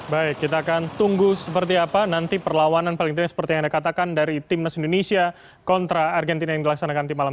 baik kita akan tunggu seperti apa nanti perlawanan paling tidak seperti yang anda katakan dari timnas indonesia kontra argentina yang dilaksanakan di malam